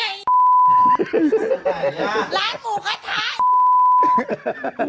ร้านหมูกระทะ